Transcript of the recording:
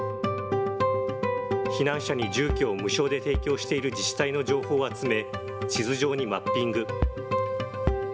避難者に住居を無償で提供している自治体の情報を集め、地図上にマッピング。